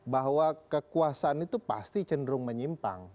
bahwa kekuasaan itu pasti cenderung menyimpang